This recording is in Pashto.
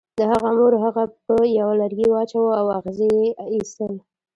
د هغه مور هغه په یوه لرګي واچاو او اغزي یې ایستل